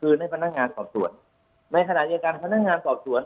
คืนให้พนักงานกรอบสวนในขณะอายการพนักงานกรอบสวน